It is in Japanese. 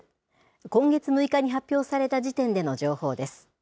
今月６日に発表された時点での情報です。